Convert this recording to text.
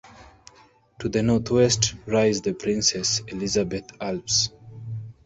To the northwest rise the Princess Elizabeth Alps.